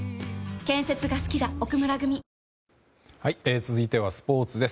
続いてはスポーツです。